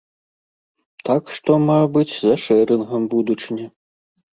Так што, мабыць, за шэрынгам будучыня.